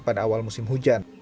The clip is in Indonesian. pada awal musim hujan